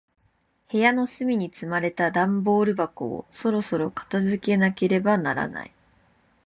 部屋の隅に積まれた段ボール箱を、そろそろ片付けなければならない。